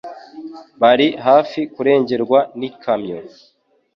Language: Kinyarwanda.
Bari hafi kurengerwa n'ikamyo